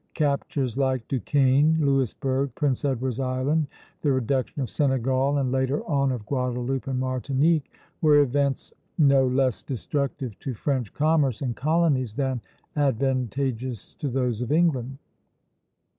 "Captures like Duquesne, Louisburg, Prince Edward's Island, the reduction of Senegal, and later on of Guadeloupe and Martinique, were events no less destructive to French commerce and colonies than advantageous to those of England."